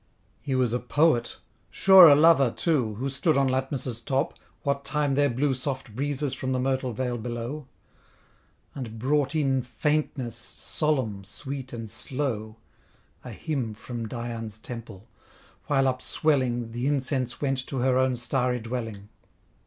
He was a Poet, sure a lover too, Who stood on Latmus' top, what time there blew Soft breezes from the myrtle vale below; And brought in faintness solemn, sweet, and slow A hymn from Dian's temple; while upswelling, The incense went to her own starry dwelling.